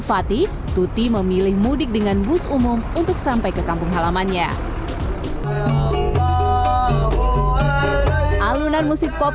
fatih tuti memilih mudik dengan bus umum untuk sampai ke kampung halamannya alunan musik pop